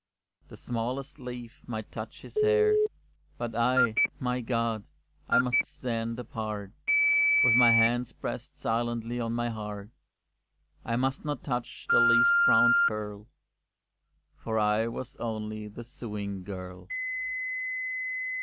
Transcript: The smallest leaf might touch his hair; But I my God! I must stand apart, With my hands pressed silently on my heart, I must not touch the least brown curl; For I was only the sewing girl.